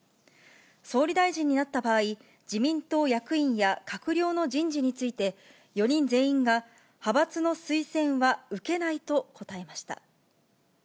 総理大臣になった場合、自民党役員や閣僚の人事について、４人全員が派閥の推薦は受けないと答えました。